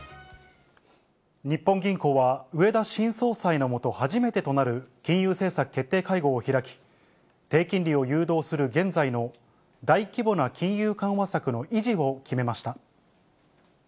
日本銀行は、植田新総裁の下、初めてとなる金融政策決定会合を開き、低金利を誘導する現在の大規模な金融緩和策の維持を決めました。